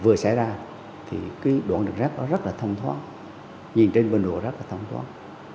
vừa xảy ra thì cái đoạn đường rác đó rất là thông thoáng nhìn trên bình hồ rất là thông thoáng